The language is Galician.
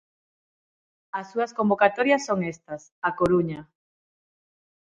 As súas convocatorias son estas: A Coruña.